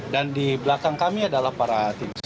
dan di belakang kami adalah para tim